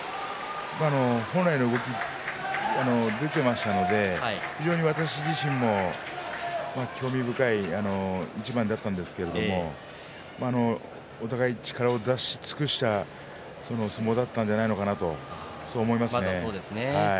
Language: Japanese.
本来の動き、出ていましたので非常に私自身も興味深い一番だったんですけどお互い、力を出し尽くした相撲だったんじゃないかなと思いますね。